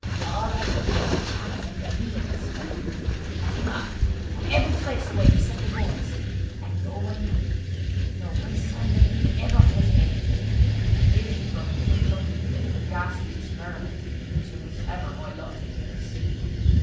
All I want is a chance and a means! And they ate him up—took every trace away except the bones; and no one knew it, nor no sound of him was ever heard!" Here she broke into a chuckling fit of the ghastliest merriment which it was ever my lot to hear and see.